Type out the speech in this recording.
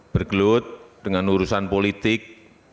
bergelut dengan urusan politik